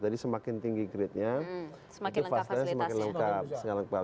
jadi semakin tinggi grade nya itu fasternya semakin lengkap